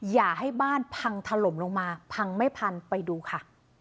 อย่าให้บ้านพังถล่มลงมาพังไม่พันไปดูค่ะ